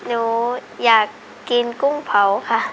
หนูอยากกินกุ้งเผาค่ะ